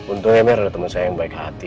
untungnya memang ada teman saya yang baik hati